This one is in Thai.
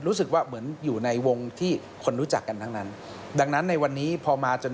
รู้สึกว่าเหมือนอยู่ในวงที่คนรู้จักกันทั้งนั้นดังนั้นในวันนี้พอมาจน